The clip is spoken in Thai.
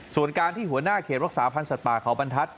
ส่วนการที่หัวหน้าเขตรักษาพันธ์สัตว์ป่าเขาบรรทัศน